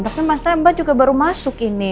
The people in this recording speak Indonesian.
tapi masa mbak juga baru masuk ini